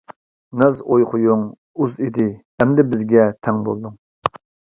ناز ئوي خۇيۇڭ ئۇز ئىدى ئەمدى بىزگە تەڭ بولدۇڭ.